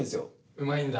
うまいんだ。